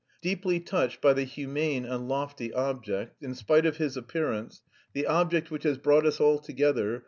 Deeply touched by the humane and lofty object... in spite of his appearance... the object which has brought us all together...